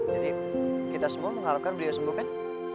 kita semua mengharapkan beliau sembuh kan